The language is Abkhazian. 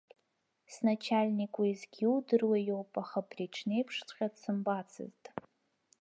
Сначальник уеизгьы иудыруа иоуп, аха абри аҽны еиԥшҵәҟьа дсымбацызт.